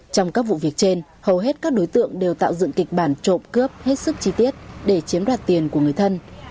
trong các vụ việc trên hầu hết các đối tượng đều tạo dựng kịch bản trộm cướp hết sức chi tiết để chiếm đoạt tiền của người thân